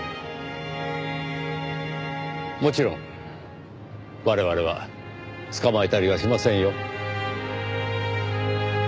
もちろん我々は捕まえたりはしませんよ。